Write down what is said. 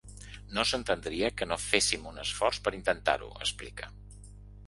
No s’entendria que no féssim un esforç per intentar-ho, explica.